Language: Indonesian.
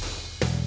terima kasih bang